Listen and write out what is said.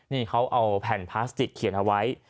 นี่เขาเอาแผ่นพลาสติกเขียนเอาไว้